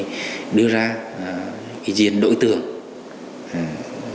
thì có đưa ra mấy cái đối tượng trong cái hiểm nghi